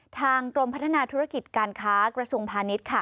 ทางกรมพัฒนาธุรกิจการค้ากระทรวงพาณิชย์